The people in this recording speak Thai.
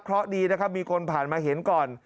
เพราะดีนะครับมีคนผ่านมาเห็นก่อน